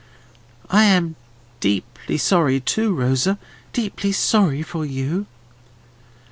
"I am deeply sorry too, Rosa. Deeply sorry for you."